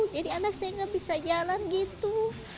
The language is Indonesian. jadi anak saya tidak bisa jalan gitu